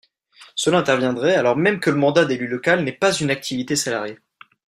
Cela interviendrait alors même que le mandat d’élu local n’est pas une activité salariée.